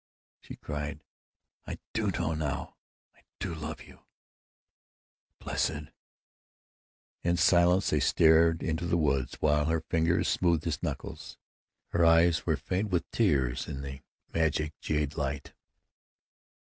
She cried: "I do know now! I do love you!" "Blessed——" In silence they stared into the woods while her fingers smoothed his knuckles. Her eyes were faint with tears, in the magic jade light.